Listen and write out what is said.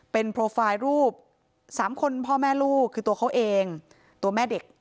เป็นโปรไฟล์รูปสามคนพ่อแม่ลูกคือตัวเขาเองตัวแม่เด็ก